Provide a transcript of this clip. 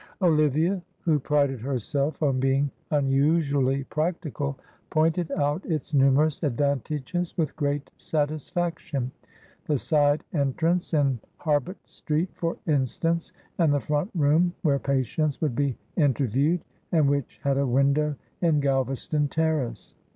Olivia, who prided herself on being unusually practical, pointed out its numerous advantages with great satisfaction. The side entrance in Harbut Street, for instance, and the front room where patients would be interviewed, and which had a window in Galvaston Terrace.